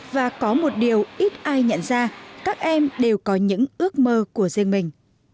và có một điều ít ai nhận ra các em đều có những ước mơ của riêng mình